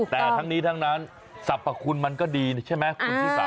แต่ทั้งนี้ทั้งนั้นสรรพคุณมันก็ดีใช่ไหมคุณชิสา